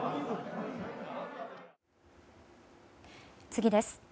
次です。